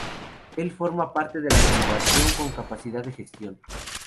Él forma parte de la renovación, con capacidad de gestión.